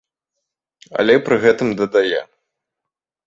Але пры гэтым дадае.